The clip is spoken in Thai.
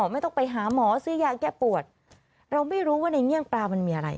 ไม่ต้องไปหาหมอซื้อยาแก้ปวดเราไม่รู้ว่าในเงี่ยงปลามันมีอะไร